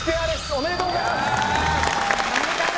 おめでとうございます